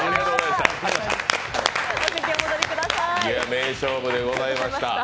名勝負でございました。